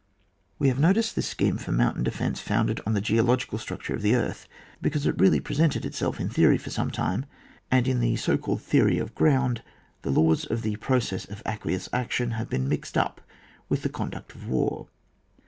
We have noticed this scheme for moun tain defence founded on the geological structure of the earth, because it really presented itseK in theory for some time, and in the so called theory of ground " the laws of the process of aqueous action have been mixed up with the conduct of war.